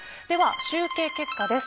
集計結果です。